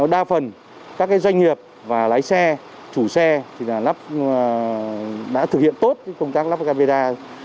đa phần các doanh nghiệp và lái xe chủ xe đã thực hiện tốt công tác lắp camera